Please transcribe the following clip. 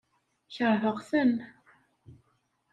Keṛheɣ-ten.